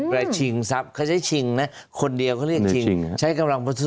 ชิงทรัพย์เขาใช้ชิงนะคนเดียวเขาเรียกชิงใช้กำลังประทุ